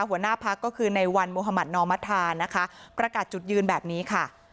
หัวหน้าพักก็คือในวันมุธมัธนอมธานะคะประกาศจุดยืนแบบนี้ค่ะ